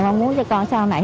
con muốn cho con sau này